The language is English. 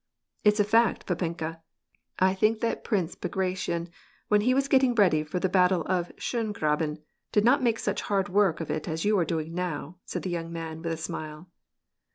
" It's a fact, papenka ! I think that Prince Bagration when le was getting ready for the battle of Schongraben did not •nake such hard work of it as you are doing now," said the /oung man with a smile.